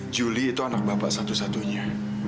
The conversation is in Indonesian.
juli itu anak bapak satu satunya